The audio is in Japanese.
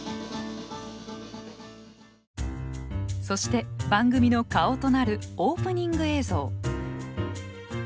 そして番組の顔となるオープニング映像。